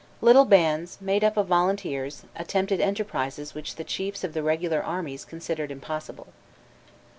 Little bands, made up of volunteers, attempted enterprises which the chiefs of the regular armies considered impossible.